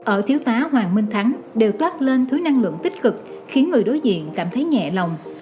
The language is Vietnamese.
ở thiếu tá hoàng minh thắng đều toát lên thứ năng lượng tích cực khiến người đối diện cảm thấy nhẹ lòng